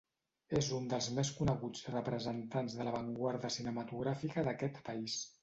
És un dels més coneguts representants de l'avantguarda cinematogràfica d'aquest país.